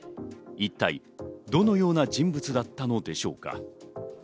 一体どのような人物だったのでしょうか。